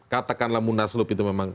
katakanlah munas lup itu memang